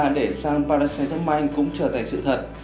và để sang paris saint germain cũng trở thành sự thật